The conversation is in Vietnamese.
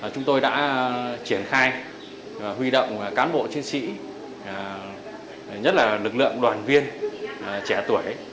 chúng tôi đã triển khai huy động cán bộ chiến sĩ nhất là lực lượng đoàn viên trẻ tuổi